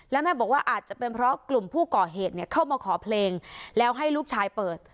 แล้วแม่บอกว่าอาจจะเป็นเพราะกลุ่มผู้ก่อเหตุเข้ามาขอเพลงแล้วให้ลูกชายเปิด